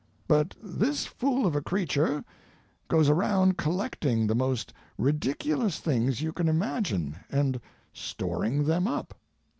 But this fool of a creature goes around collecting the most ridiculous things you can imagine and storing them up.